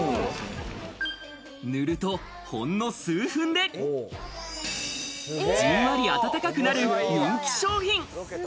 塗るとほんの数分でジンワリ暖かくなる人気商品。